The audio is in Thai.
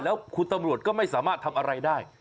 แล้วคุณตำรวจก็ไม่สามารถทำอะไรได้